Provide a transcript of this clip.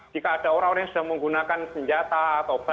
jika ada orang orang yang sudah menggunakan senjata